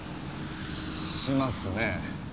しますね。